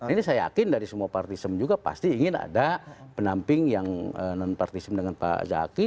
ini saya yakin dari semua partism juga pasti ingin ada penamping yang non partism dengan pak zaki